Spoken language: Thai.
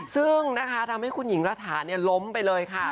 ซึ่งนะคะทำให้คุณหญิงระถาล้มไปเลยค่ะ